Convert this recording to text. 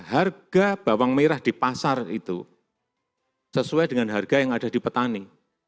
harga bawang merah di pasar itu sesuai dengan harga yang ada di petani